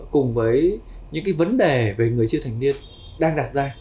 cùng với những vấn đề về người chưa thành niên đang đặt ra